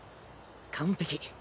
完璧。